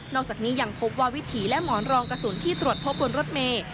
อกจากนี้ยังพบว่าวิถีและหมอนรองกระสุนที่ตรวจพบบนรถเมย์